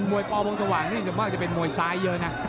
วยปอวงสว่างนี่ส่วนมากจะเป็นมวยซ้ายเยอะนะ